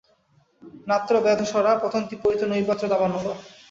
নাত্র ব্যাধশরাঃ পতন্তি পরিতো নৈবাত্র দাবানলঃ।